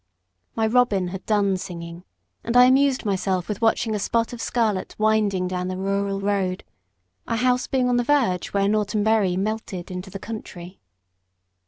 My robin had done singing, and I amused myself with watching a spot of scarlet winding down the rural road, our house being on the verge where Norton Bury melted into "the country."